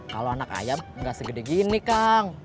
kalau anak ayam nggak segede gini kang